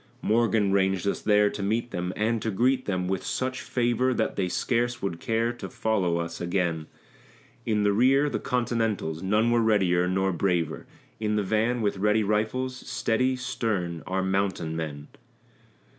Morgan ranged us there to meet them, and to greet them with such favor That they scarce would care to follow us again; In the rear, the Continentals none were readier, nor braver; In the van, with ready rifles, steady, stern, our mountain men.